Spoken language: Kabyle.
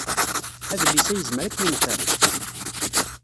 Adlis-a yezmer ad k-yenfeɛ?